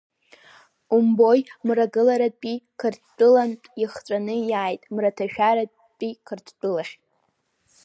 Умбои, Мрагыларатәи Қырҭтәылантә, ихҵәаны иааит Мраҭашәаратәи Қырҭтәылахь.